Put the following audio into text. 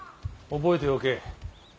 覚えておけ。